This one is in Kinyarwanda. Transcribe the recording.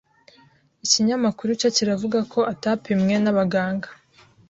ikinyamakuru cyo kiravuga ko atapimwe n’abaganga,